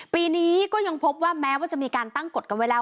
ปีนี้ก็ยังพบว่าแม้ว่าจะมีการตั้งกฎกันไว้แล้ว